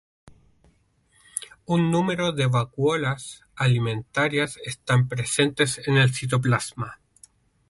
Un número de vacuolas alimentarias están presentes en el citoplasma.